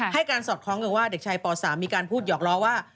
ให้การสอดคล้องกับว่าเด็กชายป๓มีการพูดหยอกล้อว่า